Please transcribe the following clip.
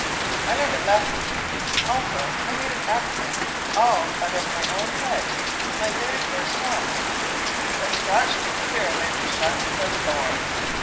I learned a lesson; also I made an axiom, all out of my own head my very first one; THE SCRATCHED EXPERIMENT SHUNS THE THORN.